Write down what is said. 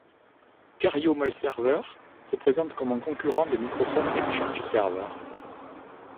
Kerio MailServer se présente comme un concurrent de Microsoft Exchange Server.